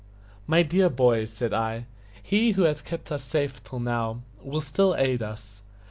"My dear boys," said I, "He who has kept us safe till now will still aid us.